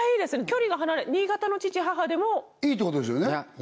距離が離れ新潟の父母でもいいってことですよね？